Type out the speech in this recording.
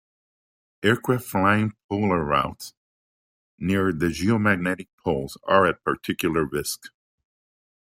Aircraft flying polar routes near the geomagnetic poles are at particular risk.